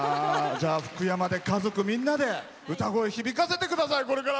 福山で家族みんなで歌声、響かせてください。